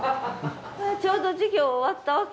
ちょうど授業終わったわけ？